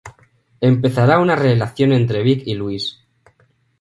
Empezará una relación entre Vic y Louise.